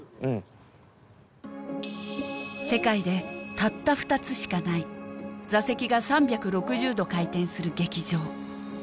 世界でたった２つしかない座席が３６０度回転する劇場